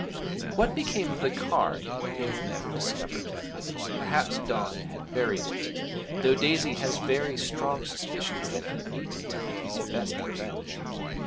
What became of the card no one ever discovered; perhaps Don had buried it, though Daisy has very strong suspicions that he ate it as his best revenge.